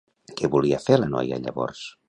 Què volia fer la noia, llavors?